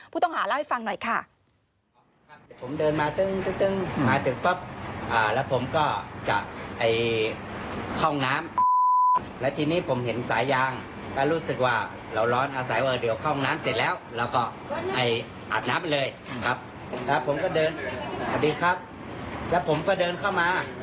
ผู้ต้องหาเล่าให้ฟังหน่อยค่ะ